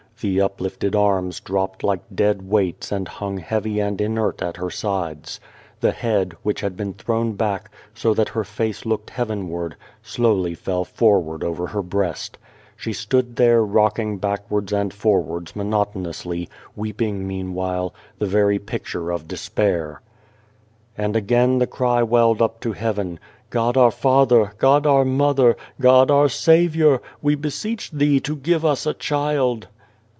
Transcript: The uplifted arms dropped like dead weights and hung heavy and inert at her sides. The head, which had been thrown back, so that her face looked heavenward, slowly fell forward over her breast. She stood there rocking backwards and forwards monotonously, weeping meanwhile, the very picture of despair. And again the cry welled up to heaven : "God our Father, God our Mother, God our Saviour, we beseech Thee to give us a child."